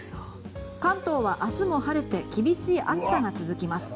関東は明日も晴れて厳しい暑さが続きます。